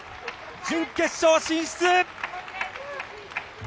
準決勝進出！